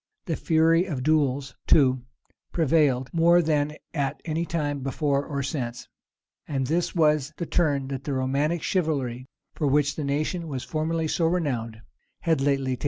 The fury of duels, too, prevailed more than at anytime before or since.[] This was the turn that the romantic chivalry, for which the nation was formerly so renowned, had lately taken.